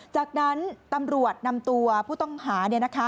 จากนั้นตำรวจนำตัวผู้ต้องหา